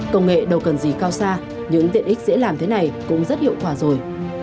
công nghệ đâu cần gì cao xa những tiện ích dễ làm thế này cũng rất hiệu quả rồi